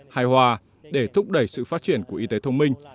hài hòa để thúc đẩy sự phát triển của y tế thông minh